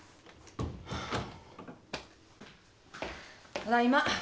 ただいま。